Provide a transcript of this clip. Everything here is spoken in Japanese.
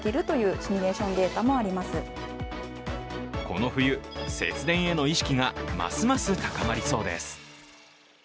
この冬、節電への意識がますます高まりそうです。